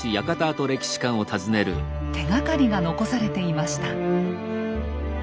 手がかりが残されていました。